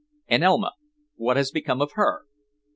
"And Elma? What has become of her?"